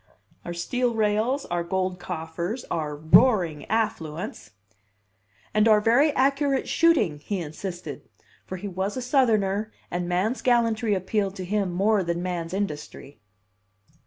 "Our steel rails, our gold coffers, our roaring affluence." "And our very accurate shooting!" he insisted; for he was a Southerner, and man's gallantry appealed to him more than man's industry.